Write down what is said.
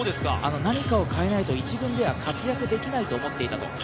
何かを変えないと１軍では活躍できないと思っていたと。